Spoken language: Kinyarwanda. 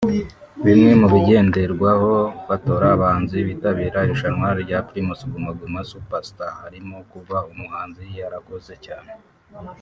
Bimwe mubigenderwaho batora abahanzi bitabira irushanwa rya Primus Guma Guma Super Star harimo kuba umuhanzi yarakoze cyane